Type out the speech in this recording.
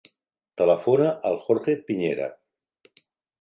Telefona al Jorge Piñera.